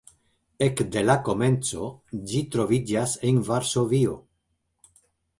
Ekde la komenco ĝi troviĝas en Varsovio.